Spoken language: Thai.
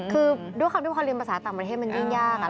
คือด้วยความที่พอเรียนภาษาต่างประเทศมันยิ่งยากอะ